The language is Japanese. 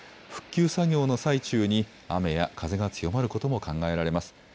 復旧作業の最中に雨や風が強まることも考えられます。